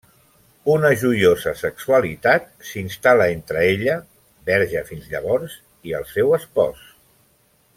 Una joiosa sexualitat s'instal·la entre ella -verge fins llavors- i el seu espòs.